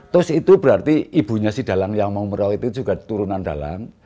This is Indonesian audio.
tus itu berarti ibunya si dalang yang mau merawat itu juga turunan dalang